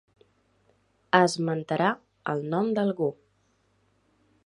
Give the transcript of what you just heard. Esmentarà el nom d'algú.